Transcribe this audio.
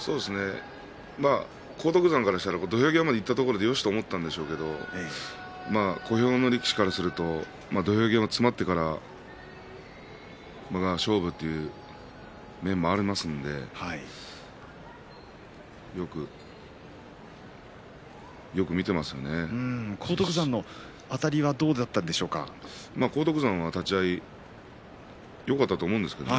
荒篤山からしたら土俵際までいったところでよしと思ったんでしょうけど小兵の力士からすると土俵際が詰まってからまた勝負という面もありますので荒篤山のあたりは荒篤山は立ち合いよかったと思うんですけどね。